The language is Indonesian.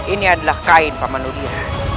ini adalah kain pamanudira